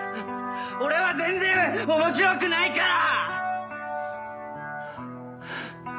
俺は全然面白くないから！